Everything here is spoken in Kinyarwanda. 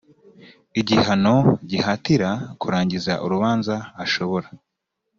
igihano gihatira kurangiza urubanza ashobora